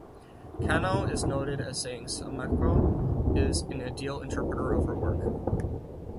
Kanno is noted as saying that Sakamoto is an ideal interpreter of her work.